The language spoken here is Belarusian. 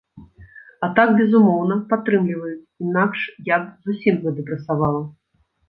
А так безумоўна падтрымліваюць, інакш я б зусім задэпрэсавала.